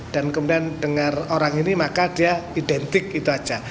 dan kemudian dengar orang ini maka dia identik itu saja